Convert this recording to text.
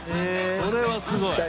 これはすごい。